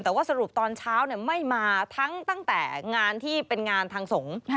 แต่ว่าสรุปตอนเช้าไม่มาทั้งตั้งแต่งานที่เป็นงานทางสงฆ์